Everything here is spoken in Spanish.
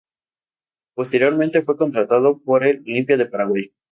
Posteriormente fue contratado por el Olimpia de Paraguay.